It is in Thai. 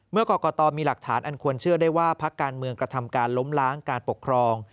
เมื่อกรกตมีหลักฐานอันควรเชื่อได้ว่าพักการเมืองกระทำการล้มล้างการปกครอง